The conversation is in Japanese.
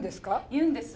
言うんです。